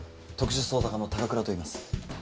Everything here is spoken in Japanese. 特殊捜査課の高倉といいます。